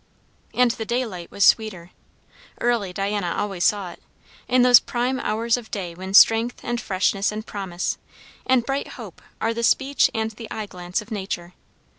And the daylight was sweeter. Early, Diana always saw it; in those prime hours of day when strength, and freshness, and promise, and bright hope are the speech and the eye glance of nature.